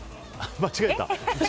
間違えた。